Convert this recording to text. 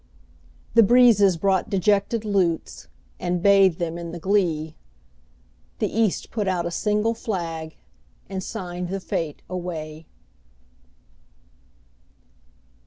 The breezes brought dejected lutes, And bathed them in the glee; The East put out a single flag, And signed the fete away.